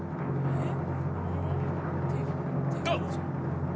えっ！？